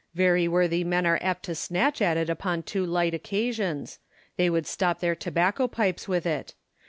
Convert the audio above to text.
Very worthy men are apt to snatch at it upon too light occasions : they would stop their tobacco pipes with it.